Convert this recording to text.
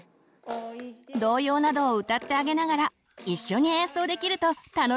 童謡などを歌ってあげながら一緒に演奏できると楽しいですよ。